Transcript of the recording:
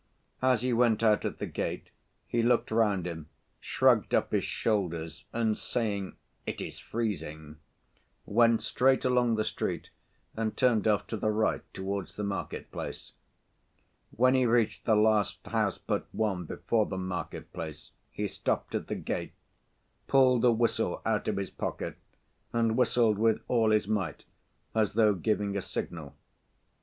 As he went out at the gate he looked round him, shrugged up his shoulders, and saying "It is freezing," went straight along the street and turned off to the right towards the market‐place. When he reached the last house but one before the market‐place he stopped at the gate, pulled a whistle out of his pocket, and whistled with all his might as though giving a signal.